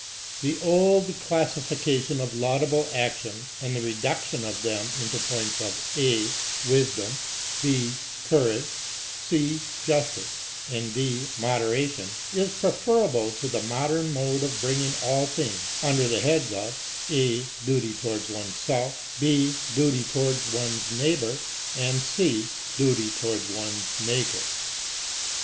The old classification of laudable actions, and the reduction of them into points of (a) wisdom, (6) courage, (c) justice, and (d) moderation, is preferable to the modem mode of bringing all things under the heads of (a) duty towards ones self, (6) duty towards ones neighbour, and (c) duty towards ones Maker.